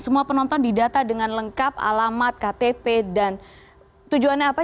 semua penonton didata dengan lengkap alamat ktp dan tujuannya apa